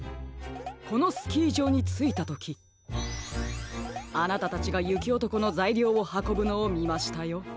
このスキーじょうについたときあなたたちがゆきおとこのざいりょうをはこぶのをみましたよ。